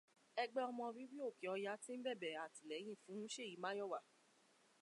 Ẹgbẹ́ ọmọ bíbí Òkè Ọya ti ń bẹ̀bẹ̀ àtìlẹyìn fún ṣèyí Máyọ̀wá.